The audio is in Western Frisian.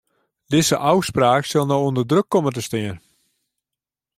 Dizze ôfspraak sil no ûnder druk komme te stean.